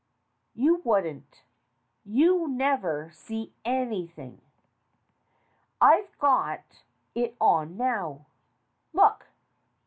"You wouldn't. You never see anything. I've got it on now. Look.